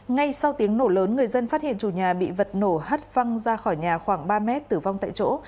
ngay sau tiếng nổ lớn người dân phát hiện chủ nhà bị vật nổ hắt văng ra khỏi nhà khoảng ba mét tử vong tại chỗ